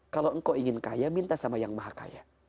kalau engkau ingin kaya minta sama yang maha kaya